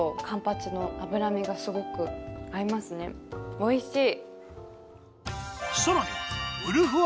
おいしい！